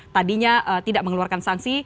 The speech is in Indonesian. tadinya tidak mengeluarkan sanksi